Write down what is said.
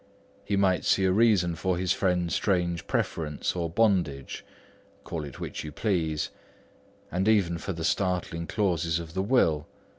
He might see a reason for his friend's strange preference or bondage (call it which you please) and even for the startling clause of the will.